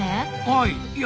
はい。